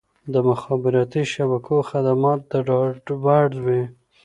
د مخابراتي شبکو خدمات د ډاډ وړ وي.